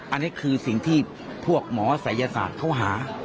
อันนี้คือสิ่งที่พวกหมอศัยศาสตร์เขาหา